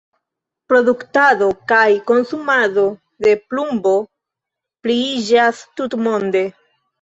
Produktado kaj konsumado de plumbo pliiĝas tutmonde.